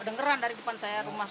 dengeran dari depan saya rumah